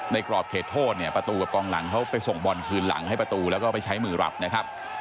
กรอบเขตโทษเนี่ยประตูกับกองหลังเขาไปส่งบอลคืนหลังให้ประตูแล้วก็ไปใช้มือรับนะครับ